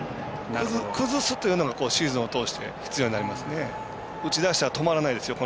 崩すというのがシーズンを通して必要になりますね。